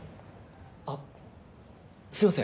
あすいません。